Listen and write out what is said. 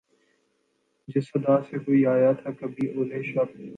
جس ادا سے کوئی آیا تھا کبھی اول شب